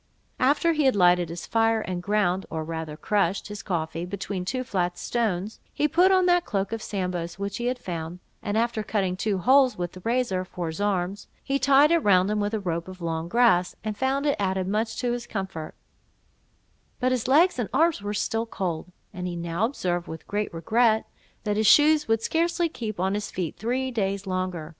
After he had lighted his fire, and ground, or rather crushed, his coffee, between two flat stones, he put on that cloak of Sambo's which he had found; and after cutting two holes with the razor, for his arms, he tied it round him, with a rope of long grass, and found it added much to his comfort; but his legs and arms were still cold; and he now observed, with great regret, that his shoes would scarcely keep on his feet three days longer.